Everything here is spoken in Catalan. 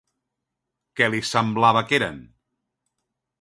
Què li semblava que eren?